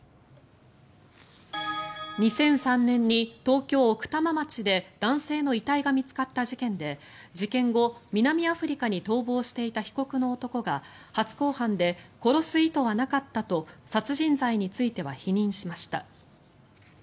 ２００３年に東京・奥多摩町で男性の遺体が見つかった事件で事件後南アフリカに逃亡していた被告の男が初公判で殺す意図はなかったと殺人罪については否認しました。